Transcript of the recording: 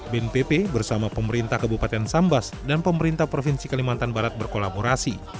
bnpp bersama pemerintah kabupaten sambas dan pemerintah provinsi kalimantan barat berkolaborasi